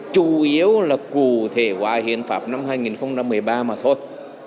chủ yếu là cụ thể qua hiện pháp năm hai nghìn một mươi ba mà thôi